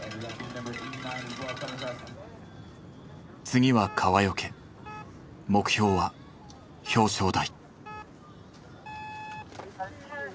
次は川除目標は表彰台。